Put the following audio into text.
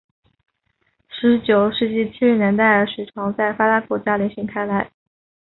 十九世纪七十年代水床在发达国家流行开来。